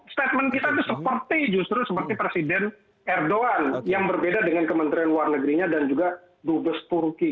statement kita itu seperti justru seperti presiden erdogan yang berbeda dengan kementerian luar negerinya dan juga dubes turki